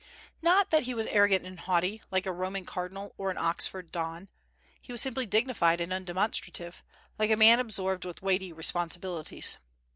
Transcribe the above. Not that he was arrogant and haughty, like a Roman cardinal or an Oxford Don; he was simply dignified and undemonstrative, like a man absorbed with weighty responsibilities.